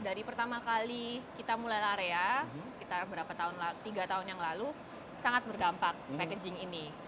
dari pertama kali kita mulai area sekitar tiga tahun yang lalu sangat berdampak packaging ini